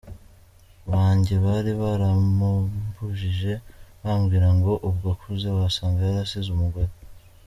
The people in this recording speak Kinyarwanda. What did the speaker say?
bange bari baramumbujije bambwira ngo ubwo akuze wasanga yarasize umugore.